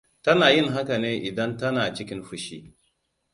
Tana yin haka ne idan ta na cikin fushi.